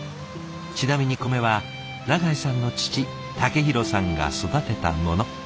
ちなみに米は永井さんの父武弘さんが育てたもの。